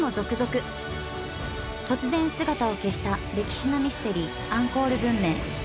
突然姿を消した歴史のミステリーアンコール文明。